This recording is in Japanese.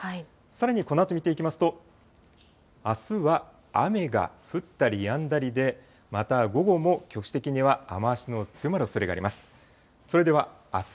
さらにこのあと見ていきますと、あすは雨が降ったりやんだりで、また午後も、局地的には雨足の強まるおそれがあります。